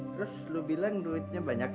terus lo bilang duitnya banyak